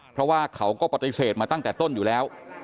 เพราะว่าเขาก็ปฏิเสธมาตั้งแต่ต้นอยู่แล้ว